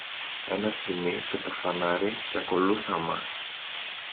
ένα σκοινί και το φανάρι, και ακολούθα μας